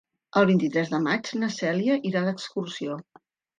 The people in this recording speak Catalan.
El vint-i-tres de maig na Cèlia irà d'excursió.